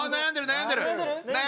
悩んでる。